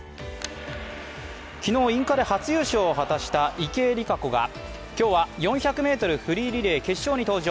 昨日、インカレ初優勝を果たした池江璃花子が今日は４００ｍフリーリレー決勝に登場。